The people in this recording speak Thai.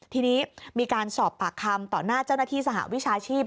ทีนี้มีการสอบปากคำต่อหน้าเจ้าหน้าที่สหวิชาชีพ